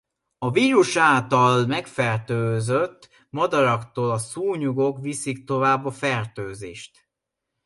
A vírus által megfertőzött madaraktól a szúnyogok viszik tovább a fertőzést.